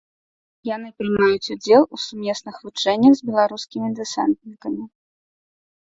Яны прымаюць удзел у сумесных вучэннях з беларускімі дэсантнікамі.